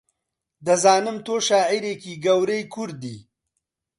دەزانم تۆ شاعیرێکی گەورەی کوردی